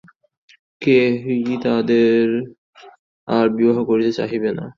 কেহই তাহাদের আর বিবাহ করিতে চাহিবে না।